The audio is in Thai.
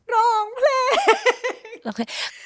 รองเพลง